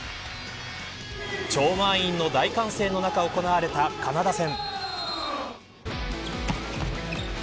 超満員の大歓声の中行われたカナダ戦。